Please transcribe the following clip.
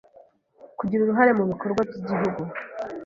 Kugira uruhare mu bikorwa by’Igihugu